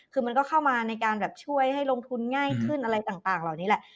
คือมันก็เข้ามาในการแบบช่วยให้ลงทุนง่ายขึ้นอะไรต่างเหล่านี้แหละ